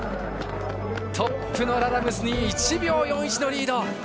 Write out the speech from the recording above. トップのラダムスに１秒４１のリード！